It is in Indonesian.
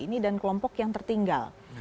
ini dan kelompok yang tertinggal